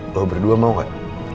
lo berdua mau gak